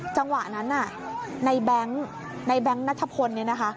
จังหวะนั้นน่ะในแบงค์ในแบงค์นัชพล